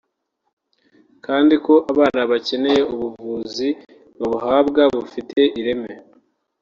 kandi ko abana bakeneye ubuvuzi babuhabwa bufite ireme